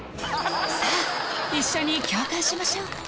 さあ一緒に共感しましょう！